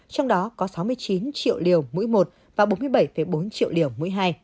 trong đó có sáu mươi chín triệu liều mũi một và bốn mươi bảy bốn triệu liều mũi hai